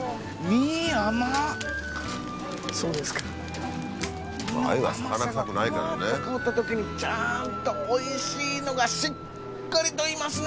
身の甘さがフワっと香った時にちゃんとおいしいのがしっかりといますね。